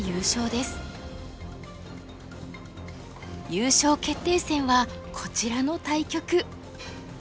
優勝決定戦はこちらの対局。